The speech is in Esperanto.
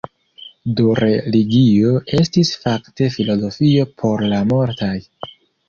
Do religio estis fakte filozofio por la multaj.